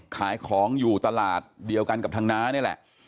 ขายของอยู่ตลาดเดียวกันกับทางน้านี่แหละ